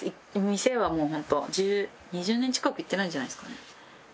店はもうホント２０年近く行ってないんじゃないですかね？